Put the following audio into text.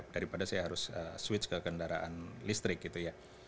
daripada saya harus switch ke kendaraan listrik gitu ya